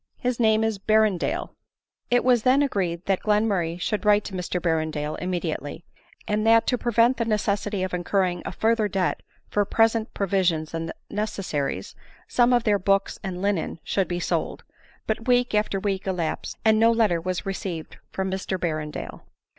His name is Berrendale." • It was then agreed that Glenmurray should write to Mr Berrendale immediately ; and that, to prevent the necessity of incurring a further debt for present provi sions and necessaries, some of their books and linen should be sold ; but week after week elasped, and no letter was received from Mr Berrendale.